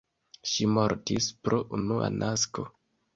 Ŝi mortis pro unua nasko.